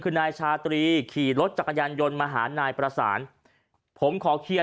คือนายชาตรีขี่รถจักรยานยนต์มาหานายประสานผมขอเคลียร์